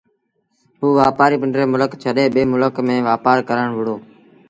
اُ وآپآري پنڊرو ملڪ ڇڏي ٻي ملڪ ميݩ وهي وآپآر ڪرتو